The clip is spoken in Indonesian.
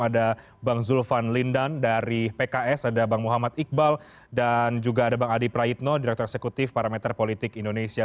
ada bang zulfan lindan dari pks ada bang muhammad iqbal dan juga ada bang adi prayitno direktur eksekutif parameter politik indonesia